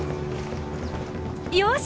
よし！